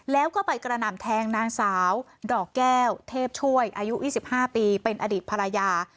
แล้วก็ไปกระหน่ำแทงนางสาวดอกแก้วเทพช่วยอายุ๒๕ปีเป็นอดีตภรรยา